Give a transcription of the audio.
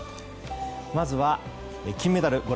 まずは、金メダル。